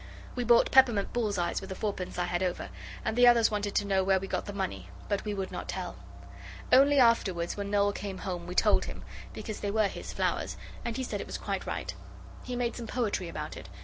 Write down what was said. We bought peppermint bullseyes with the fourpence I had over, and the others wanted to know where we got the money, but we would not tell. Only afterwards when Noel came home we told him, because they were his flowers, and he said it was quite right. He made some poetry about it.